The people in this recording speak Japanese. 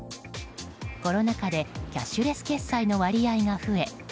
コロナ禍でキャッシュレス決済の割合が増え